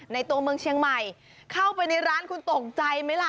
ตัวเมืองเชียงใหม่เข้าไปในร้านคุณตกใจไหมล่ะ